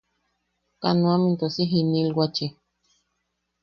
Kanoam into si jinilwachi.